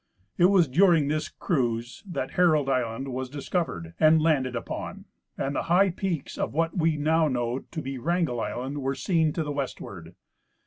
It was during this cruise that Herald island was discovered and landed upon, and the high peaks of what we now know to be Wrangell island were seen to the westward.